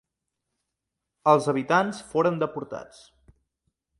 Els habitants foren deportats.